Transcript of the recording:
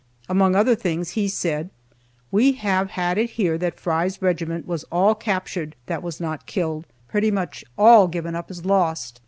Among other things he said: "We have had it here that Fry's regiment was all captured that was not killed; pretty much all given up as lost.